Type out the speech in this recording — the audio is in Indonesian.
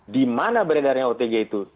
di mana beredarnya otg itu